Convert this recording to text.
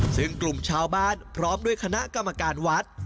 ซึ่งกลุ่มชาวบ้านพร้อมด้วยคณะกรรมการวัด